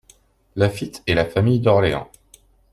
Laffitte et la famille d'Orléans.